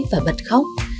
và bật khóc